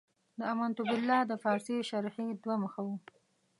د امنت بالله د پارسي شرحې دوه مخه و.